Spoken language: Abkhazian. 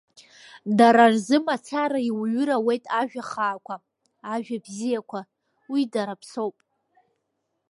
Дара рзы мацара иуҩыр ауеит ажәа хаақәа, ажәа бзиақәа, уи дара аԥсоуп.